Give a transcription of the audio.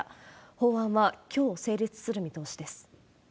法案はきょう、成立する見通しです。